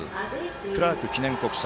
クラーク記念国際。